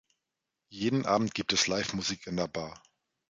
Jeden Abend gibt es Live-Musik in der Bar.